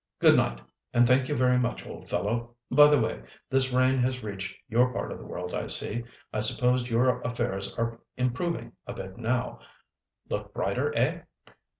"Good night, and thank you very much, old fellow! By the way, this rain has reached your part of the world, I see; I suppose your affairs are improving a bit now—look brighter, eh!"